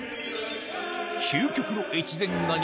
究極の越前がに